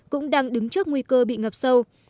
cũng đang đứng trước nguy cơ bị ngập sâu